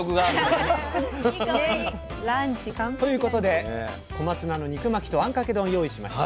いい香り！ということで小松菜の肉巻きとあんかけ丼用意しました。